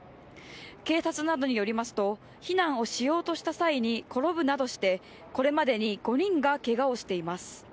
警察などによりますと、避難をしようとした際に転ぶなどしてこれまでに５人がけがをしています